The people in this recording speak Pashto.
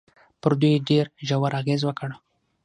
پر دوی يې ډېر ژور اغېز وکړ.